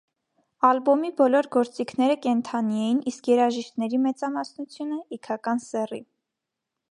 Ալբոմի բոլոր գործիքները կենդանի էին, իսկ երաժիշտների մեծամասնությունը՝ իգական սեռի։